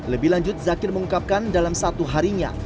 lebih lanjut zakir mengungkapkan dalam satu harinya